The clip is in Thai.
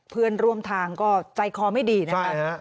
เพื่อนร่วมทางก็ใจคอไม่ดีนะครับ